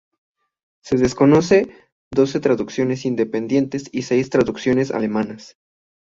Se conocen doce traducciones independientes y seis traducciones alemanas.